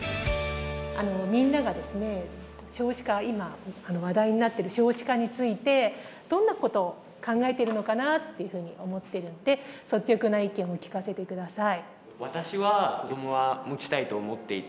みんなが今、話題になってる少子化についてどんなことを考えてるのかなっていうふうに思ってるんで率直な意見を聞かせてください。